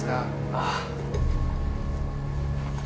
ああ。